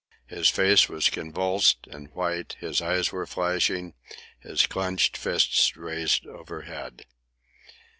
His face was convulsed and white, his eyes were flashing, his clenched fists raised overhead.